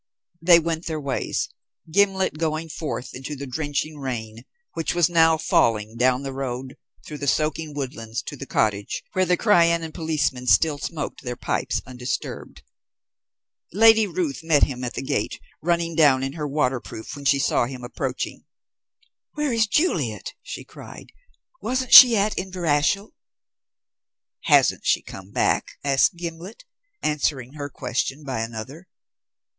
They went their ways, Gimblet going forth into the drenching rain which was now falling down the road, through the soaking woodlands to the cottage, where the Crianan policemen still smoked their pipes undisturbed. Lady Ruth met him at the gate, running down in her waterproof when she saw him approaching. "Where is Juliet?" she cried. "Wasn't she at Inverashiel?" "Hasn't she come back?" asked Gimblet, answering her question by another.